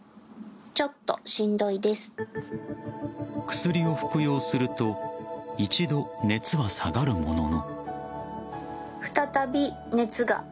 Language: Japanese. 薬を服用すると一度、熱は下がるものの。